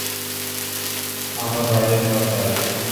আমার বাইরে যাওয়া চাই।